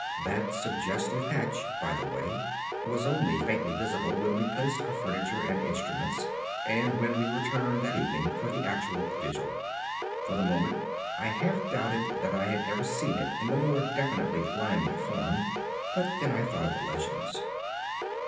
That suggestive patch, by the way, was only faintly visible when we placed our furniture and instruments, and when we returned that evening for the actual vigil. For a moment I half doubted that I had ever seen it in the more definitely limned form but then I thought of the legends.